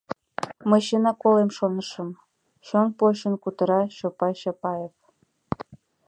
— Мый, чынак колем, шонышым, — чон почын кутыра Чопай Чапаев.